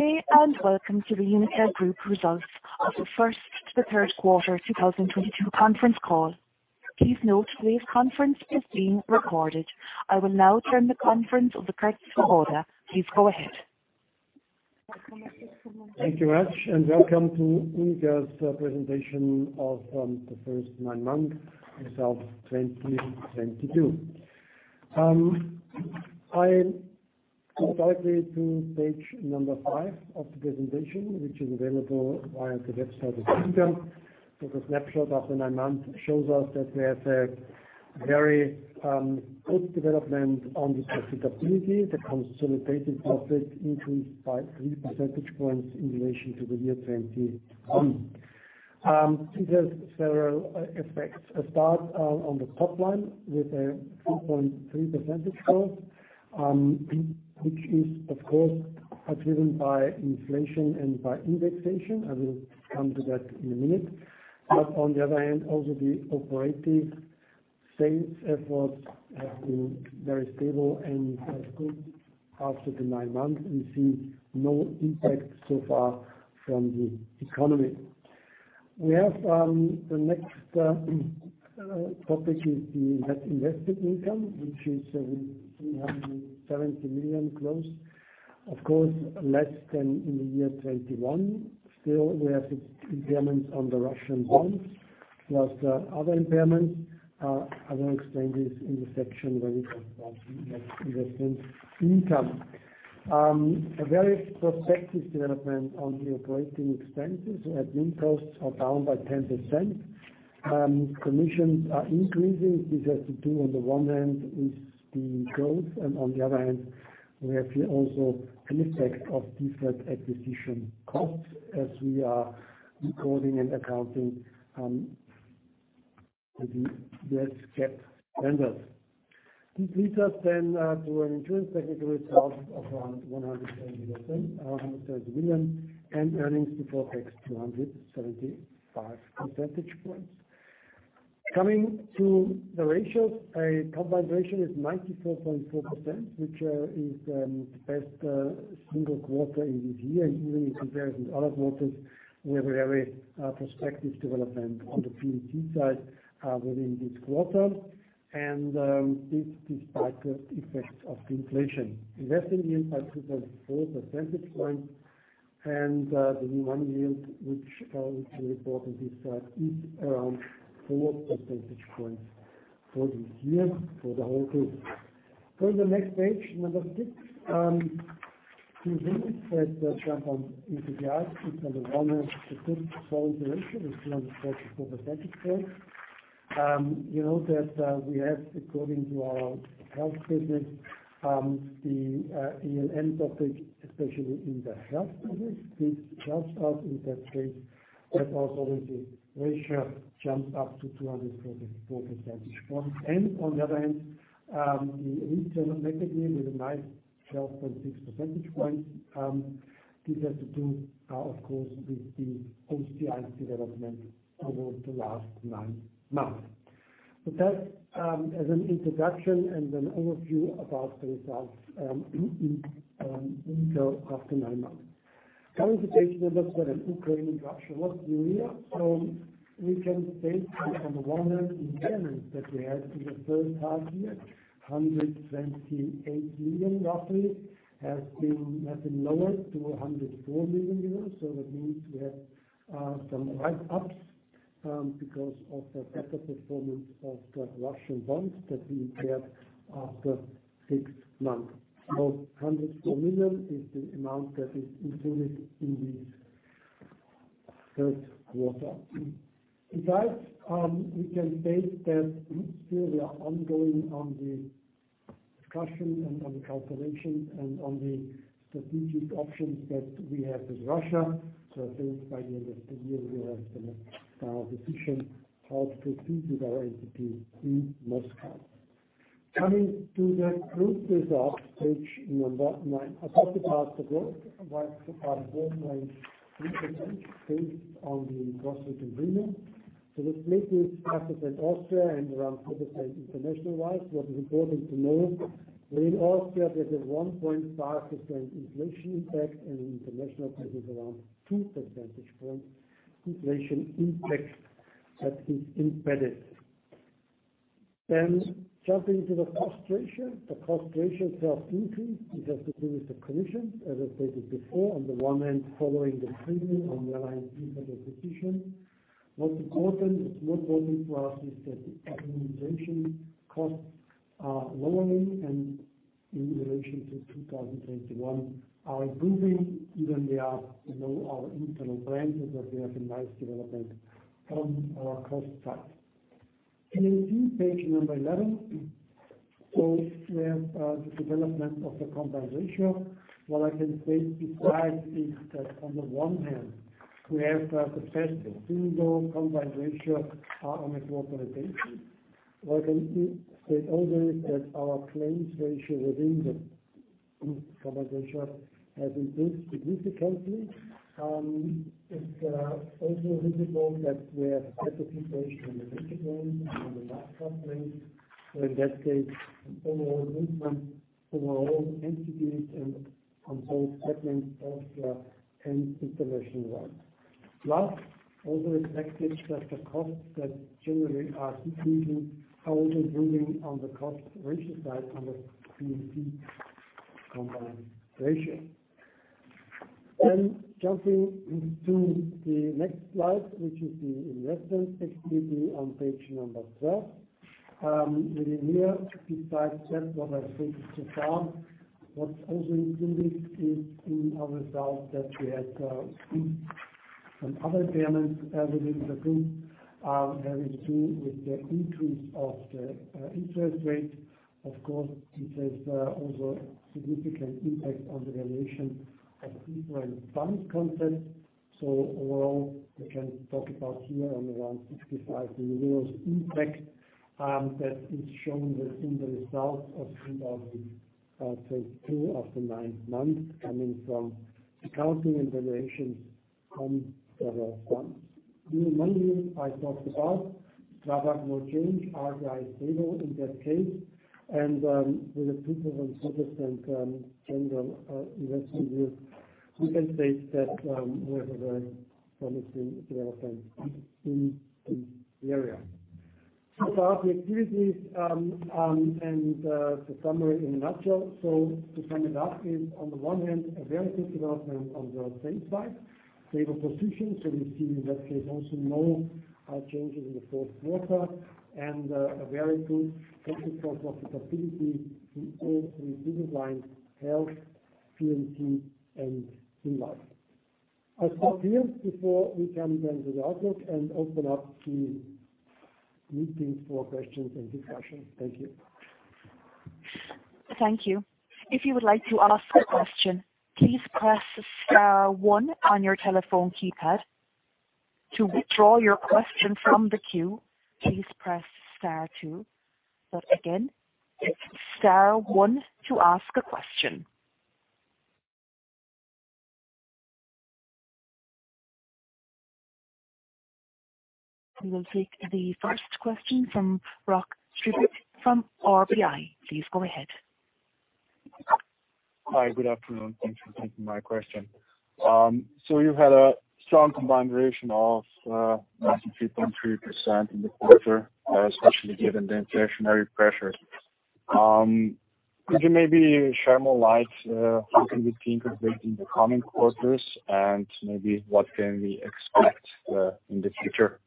Good day, welcome to the UNIQA Group results of the first to the third quarter 2022 conference call. Please note today's conference is being recorded. I will now turn the conference over to Kurt Svoboda. Please go ahead. Thank you much, and welcome to UNIQA's presentation of the first nine months results 2022. I go directly to page number five of the presentation, which is available via the website of UNIQA. It's a snapshot of the nine months. It shows us that we have a very good development on the profitability. The consolidated profit increased by three percentage points in relation to the year 2021. It has several effects. Let's start on the top line with a 2.3% growth, which is of course driven by inflation and by indexation. I will come to that in a minute. On the other hand, also the operating sales efforts have been very stable and are good after the nine months. We see no impact so far from the economy. The next topic is the net invested income, which is 370 million plus. Of course, less than in the year 2021. Still, we have impairments on the Russian bonds, plus the other impairments. I will explain this in the section where we talk about net investment income. A very prospective development on the operating expenses. Admin costs are down by 10%. Commissions are increasing. This has to do with the one hand with the growth, and on the other hand, we have here also an effect of different acquisition costs as we are recording and accounting the SGEP vendors. This leads us then to an insurance technical result of around 130 million and earnings before tax 275 percentage points. Coming to the ratios. Combined ratio is 94.4%, which is the best single quarter in this year. Even in comparison with other quarters, we have a very prospective development on the P&C side within this quarter. This despite the effects of inflation. Investment yield at 2.4 percentage points. The new money yield, which we report on this side, is around 4 percentage points for this year for the whole group. The next page, number six. Two things that jump on into the eye is on the one hand, the good combined ratio is 234 percentage points. You know that we have according to our health business, the ELR topic, especially in the health business. This helps us in that case. That was obviously ratio jumped up to 234 percentage points. On the other hand, the internal net yield with a nice 12.6 percentage points. This has to do, of course, with the OCI development over the last nine months. As an introduction and an overview about the results in the after nine months. Coming to page number seven, Ukraine and Russia war here. We can state that on the one hand, the impairments that we had in the first half year, 128 million roughly, has been lowered to 104 million euros. That means we have some write-ups because of the better performance of the Russian bonds that we impaired after six months. 104 million is the amount that is included in the first quarter. Besides, we can state that still we are ongoing on the discussion and on the calculation and on the strategic options that we have with Russia. I think by the end of the year, we will have the decision how to proceed with our entity in Moscow. Coming to the group results, page number nine. I talked about the growth, right, 4.3% based on the gross written premium. This mainly happens in Austria and around 2% international-wise. What is important to know, here in Austria there's a 1.5% inflation impact and international business around two percentage point inflation impact that is embedded. Jumping to the cost ratio. The cost ratio itself increased. This has to do with the commissions, as I stated before. On the one hand, following the premium. On the other hand, impact of acquisition. It's more important for us is that the acquisition costs are lowering and in relation to 2021 are improving. Even they are, you know, our internal branches, but we have a nice development from our cost side. P&C, page number 11. We have the development of the combined ratio. What I can state is that on the one hand, we have the best single combined ratio on a group organization. What I can state also is that our claims ratio within the group combined ratio has improved significantly. It's also visible that we have a better situation in the motor premium and on the last top line. Overall improvement for our own entities and concern segments Austria and internationally wide. Plus also expected that the costs that generally are increasing are also moving on the cost ratio side on the P&C combined ratio. Jumping to the next slide, which is the investment activity on page number 12. In here besides that what I said so far, what's also included is in our result that we had some other payments as it is a group having to do with the increase of the interest rate. Of course, it has also significant impact on the valuation of real estate and fund investments. Overall, we can talk about here on around 65 million euros impact that is shown in the results of 2022 of the nine months coming from accounting and valuation from several funds. New money I talked about, nothing more change, RBI stable in that case. With a 2.7% general investment yield, we can state that we have a promising development in the area. So far the activities and the summary in a nutshell. To sum it up is on the one hand a very good development on the safe side. Stable position, so we see in that case also no changes in the fourth quarter. A very good technical profitability in all three business lines, health, P&C and life. I stop here before we come then to the outlook and open up the meeting for questions and discussions. Thank you. Thank you. If you would like to ask a question, please press star one on your telephone keypad. To withdraw your question from the queue, please press star two. Again, star one to ask a question. We will take the first question from Rok Stibric from RBI. Please go ahead. Hi. Good afternoon. Thanks for taking my question. You had a strong combined ratio of 93.3% in the quarter, especially given the inflationary pressure. Could you maybe share more light how can we think of it in the coming quarters and maybe what can we expect in the future?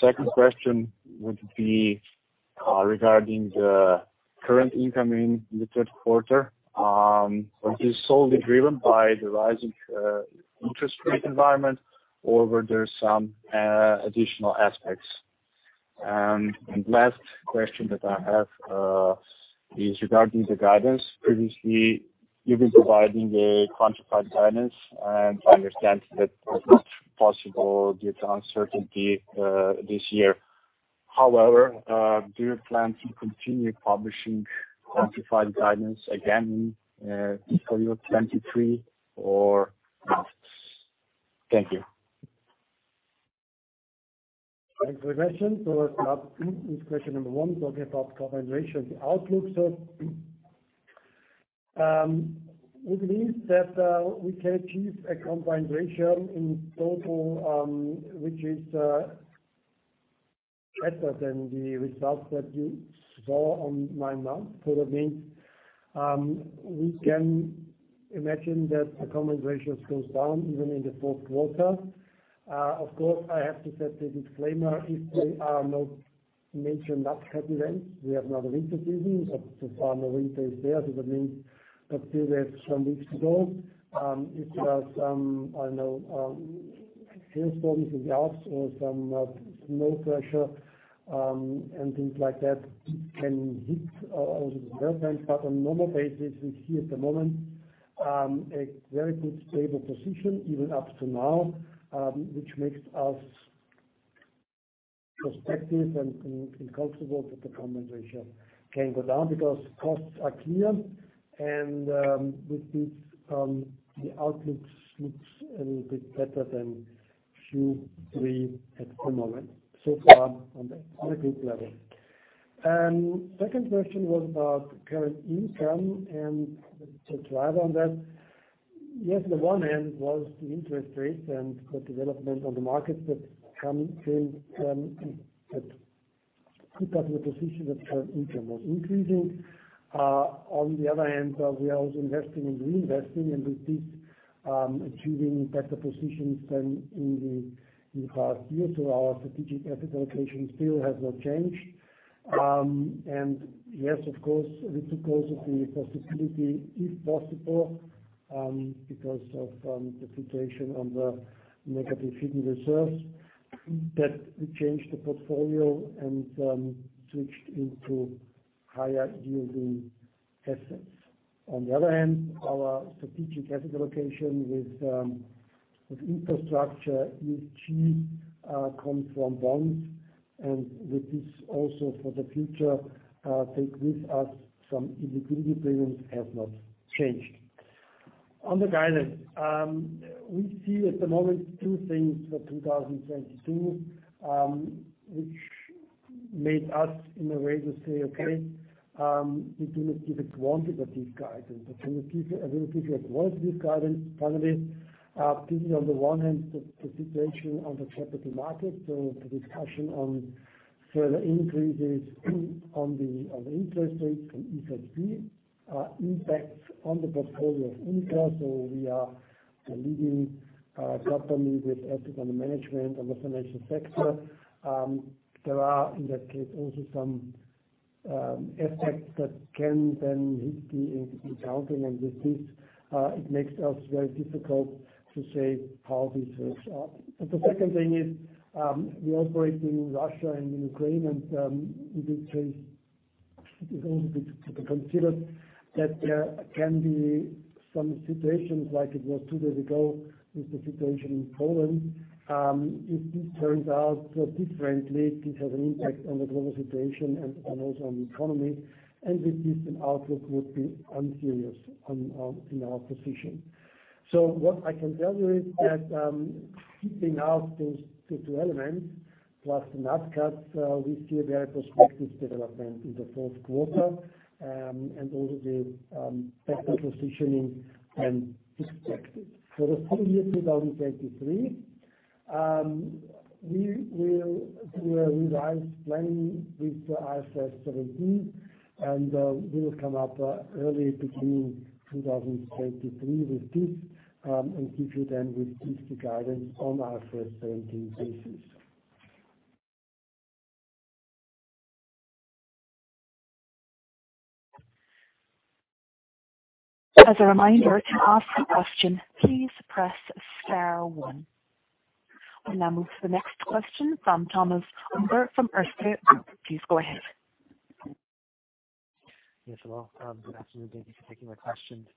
Second question would be regarding the current income in the third quarter. Is this solely driven by the rising interest rate environment, or were there some additional aspects? Last question that I have is regarding the guidance. Previously, you've been providing a quantified guidance, and I understand that it's not possible due to uncertainty this year. However, do you plan to continue publishing quantified guidance again in fiscal year 2023 or after? Thank you. Let's start with question number one, talking about combined ratio, the outlook. We believe that we can achieve a combined ratio in total which is better than the results that you saw on nine months. That means we can imagine that the combined ratio goes down even in the fourth quarter. Of course, I have to set the disclaimer if there are no major natural events. We have another winter season, but so far no winter is there. That means that still there are some weeks to go. If there are some, I don't know, snowstorms in the Alps or some snow pressure, and things like that can hit also the results. On normal basis, we see at the moment a very good stable position even up to now, which makes us prospective and comfortable that the combined ratio can go down because costs are clear. With this, the outlook looks a little bit better than Q3 at the moment so far on the group level. Second question was about current income and the driver on that. Yes, on the one hand was the interest rates and the development on the markets that come in, that put us in a position that current income was increasing. On the other hand, we are also investing and reinvesting, and with this, achieving better positions than in the past years. Our strategic asset allocation still has not changed. Yes, of course, we took also the possibility, if possible, because of the situation on the negative hidden reserves, that we changed the portfolio and switched into higher yielding assets. On the other hand, our strategic asset allocation with infrastructure, ESG, comes from bonds, and with this also for the future, take with us some illiquidity premiums has not changed. On the guidance, we see at the moment two things for 2022, which made us in a way to say, okay, we do not give it quantified at this guidance, but I will give you at once this guidance finally, typically on the one hand the situation on the capital market. The discussion on further increases on the interest rates and ECB impacts on the portfolio of UNIQA. We are a leading company with epic on the management on the financial sector. There are in that case also some effects that can then be encountered. With this, it makes us very difficult to say how this will show up. The second thing is we operate in Russia and in Ukraine, and in this case it is also to consider that there can be some situations like it was two days ago with the situation in Poland. If this turns out differently, this has an impact on the global situation and also on the economy. With this an outlook would be unclear in our position. What I can tell you is that keeping out those two elements, we see a very prospective development in the fourth quarter and also the better positioning and perspective. For the full year 2023, we will revise planning with the IFRS 17 and we will come up early 2023 with this and give you then with this the guidance on IFRS 17 basis. As a reminder, to ask a question, please press star one. We'll now move to the next question from Thomas Unger from Erste Group. Please go ahead. Yes, hello. Good afternoon. Thank you for taking my questions.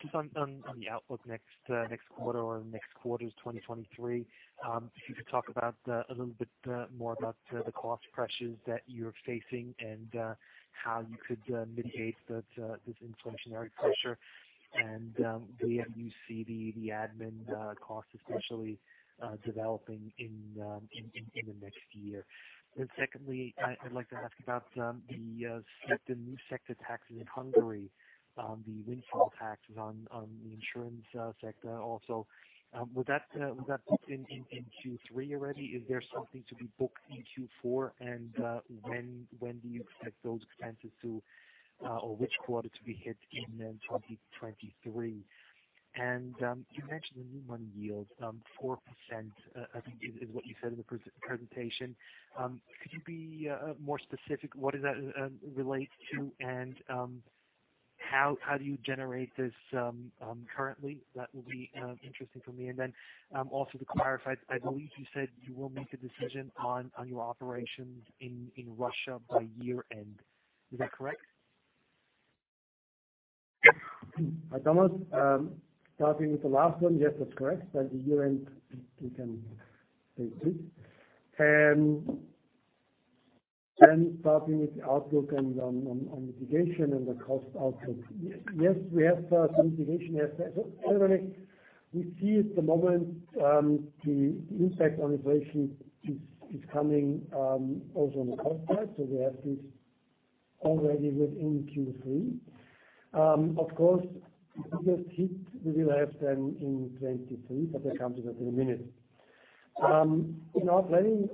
Just on the outlook next quarter or next quarters 2023, if you could talk a little bit more about the cost pressures that you're facing and how you could mitigate this inflationary pressure and where you see the admin costs especially developing in the next year. Secondly, I'd like to ask about the new sectoral taxes in Hungary, the windfall taxes on the insurance sector also. Was that booked in Q3 already? Is there something to be booked in Q4? When do you expect those expenses to, or which quarter to be hit in then 2023? You mentioned the new money yield, 4%, I think is what you said in the presentation. Could you be more specific what does that relate to? How do you generate this currently? That will be interesting for me. Also to clarify, I believe you said you will make a decision on your operations in Russia by year end. Is that correct? Hi Thomas. Starting with the last one, yes, that's correct. By the year end we can take it. Starting with the outlook and on mitigation and the cost outlook. Yes, we have some mitigation. Generally we see at the moment the impact on inflation is coming also on the cost side. We have this already within Q3. Of course it will hit maybe less than in 2023, but I come to that in a minute. In our planning,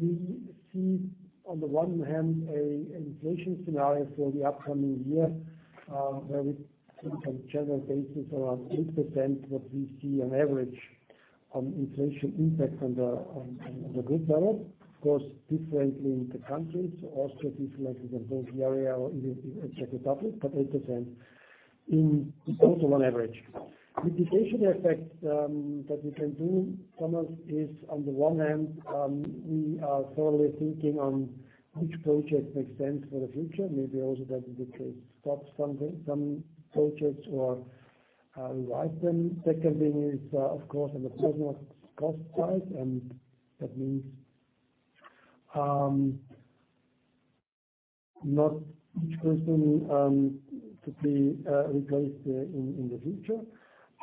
we see on the one hand a inflation scenario for the upcoming year where we see on general basis around 8% what we see on average on inflation impact on the group level. Of course, differently in the countries. Austria is like the inflation there or in Czech Republic, but 8% in total on average. Mitigation effect that we can do, Thomas, is on the one hand, we are thoroughly thinking on which project makes sense for the future. Maybe also that we could stop some projects or revise them. Second thing is of course on the personal cost side, and that means not each person to be replaced in the future.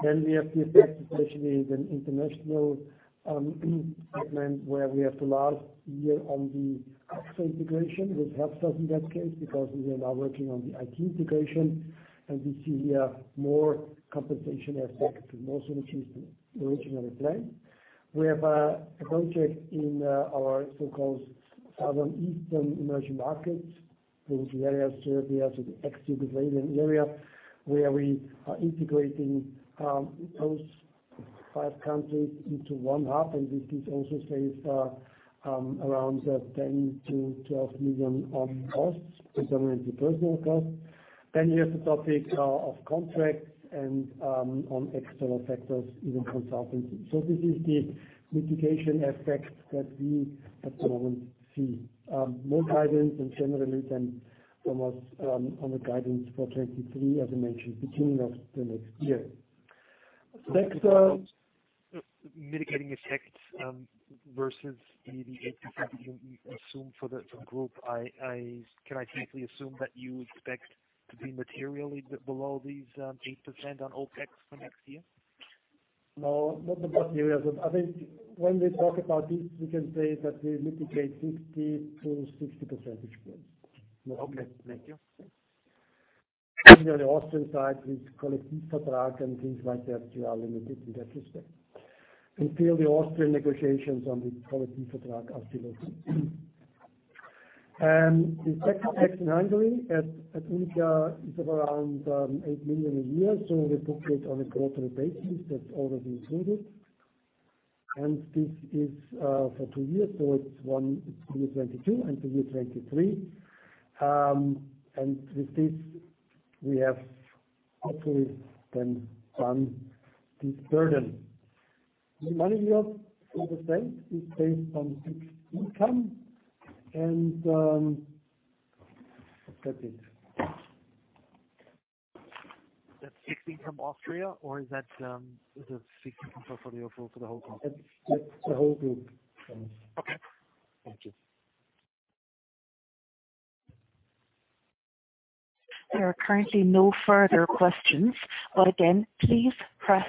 We have the effect, especially the international segment where we have the last year on the AXA integration, which helps us in that case because we are now working on the IT integration and we see here more compensation effect and more synergies than originally planned. We have a project in our so-called South Eastern European markets. Those areas, Serbia, so the ex-Yugoslavian area, where we are integrating those five countries into one hub. This also saves around EUR 10 million-EUR 12 million on costs, predominantly personnel costs. You have the topic of contracts and on external factors, even consultancy. This is the mitigation effects that we at the moment see. More guidance and generally then Thomas on the guidance for 2023 as I mentioned, beginning of the next year. Mitigating effects versus maybe the 8% you assumed for the group. Can I safely assume that you expect to be materially below these 8% on OpEx for next year? No, not the materials. I think when we talk about this, we can say that we mitigate 50-60 percentage points. Okay, thank you. Usually the Austrian side with collective contract and things like that, you are limited in that respect until the Austrian negotiations on the collective contract are still open. The second tax in Hungary at UNIQA is of around 8 million a year, so we book it on a quarterly basis. That's already included. This is for two years. It's two years 2022 and two years 2023. With this we have hopefully then done this burden. The money we have in the bank is based on fixed income and that's it. That's 60 from Austria, or is that the 60 for the whole group? It's the whole group. Okay. Thank you. There are currently no further questions, but again, please press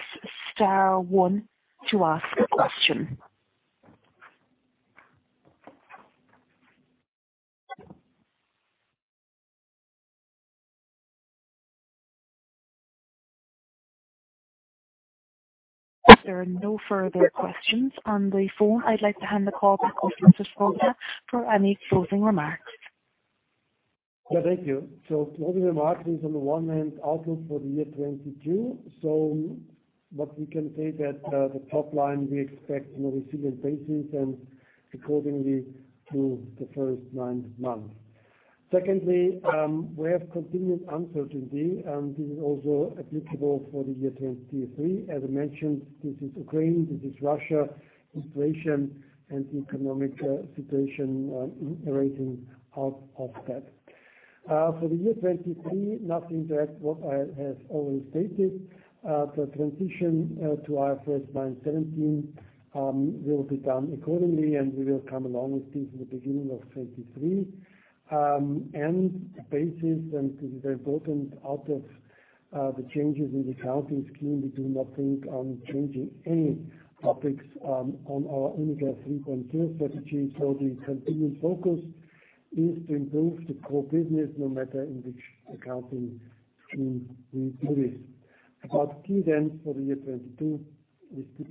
star one to ask a question. There are no further questions on the phone. I'd like to hand the call back over to Kurt Svoboda for any closing remarks. Yeah. Thank you. Closing remarks is on the one hand outlook for the year 2022. What we can say that the top line we expect on a resilient basis and accordingly to the first nine months. Secondly, we have continued uncertainty, and this is also applicable for the year 2022-2023. As I mentioned, this is Ukraine, this is Russia, inflation and economic situation arising out of that. For the year 2023, nothing that what I have already stated. The transition to IFRS 9/17 will be done accordingly, and we will come along with this in the beginning of 2023. The basis and this is very important out of the changes in the accounting scheme, we do not think on changing any topics on our UNIQA 3.0 strategy. The continued focus is to improve the core business no matter in which accounting scheme we do this. Key then for the year 2022, we stick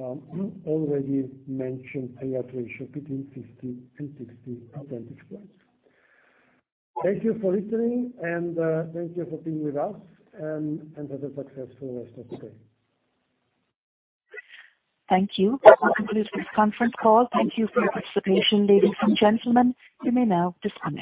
to our already mentioned payout ratio between 50 and 60 percentage points. Thank you for listening and thank you for being with us and have a successful rest of the day. Thank you. That concludes this conference call. Thank you for your participation, ladies and gentlemen. You may now disconnect.